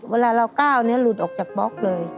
เวลาเราก้าวเนื้อหลุดออกจากบล็อกเลย